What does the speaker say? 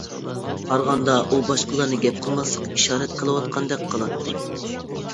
قارىغاندا ئۇ باشقىلارنى گەپ قىلماسلىققا ئىشارەت قىلىۋاتقاندەك قىلاتتى.